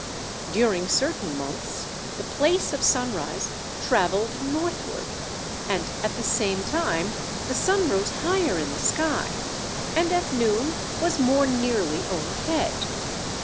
During certain months, the place of sunrise traveled northward, and at the same time the sun rose higher in the sky, and at noon was more nearly overhead.